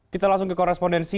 kita langsung ke korespondensi